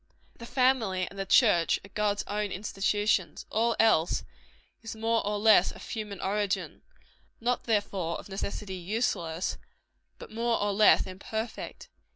_ The family and the church are God's own institutions. All else, is more or less of human origin: not, therefore, of necessity, useless but more or less imperfect.